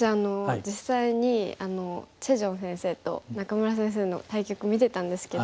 実際にチェ・ジョン先生と仲邑先生の対局見てたんですけど。